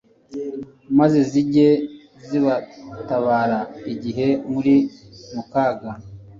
maze zijye zibatabara igihe muri mu kaga